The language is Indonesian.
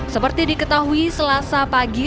seperti diketahui selasa pagi